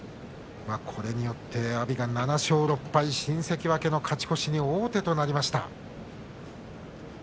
これによって阿炎が７勝６敗、新関脇の勝ち越しに王手となりました。